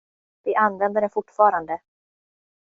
Vi använder den fortfarande.